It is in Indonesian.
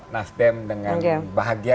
nasdem dengan bahagia